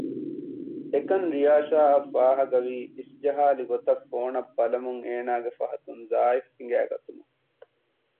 އެކަން ރިޔާޝާ އަށް ފާހަގަ ވީ އިސްޖަހާލި ގޮތަށް ފޯނަށް ބަލަމުން އޭނާގެ ފަހަތުން ޒާއިފް ހިނގައިގަތުމުން